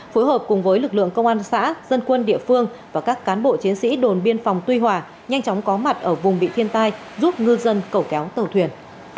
phối hợp cùng với lực lượng công an xã dân quân địa phương và các cán bộ chiến sĩ đồn biên phòng tuy hòa nhanh chóng có mặt ở vùng bị thiên tai giúp ngư dân cầu kéo tàu thuyền